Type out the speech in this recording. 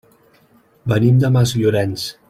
Venim de Masllorenç.